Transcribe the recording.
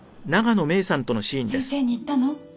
先生に言ったの？